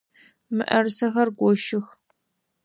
Мыӏэрысэхэр гощых!